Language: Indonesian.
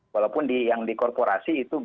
walaupun yang di korporasi itu